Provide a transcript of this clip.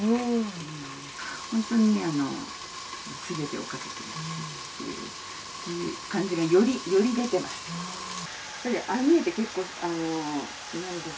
本当に全てをかけてるという感じがより出てます。